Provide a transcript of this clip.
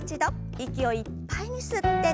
息をいっぱいに吸って。